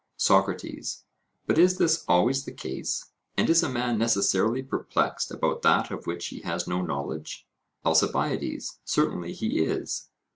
SOCRATES: But is this always the case, and is a man necessarily perplexed about that of which he has no knowledge? ALCIBIADES: Certainly he is.